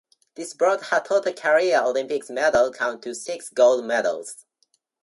This brought her total career Olympic medal count to six gold medals.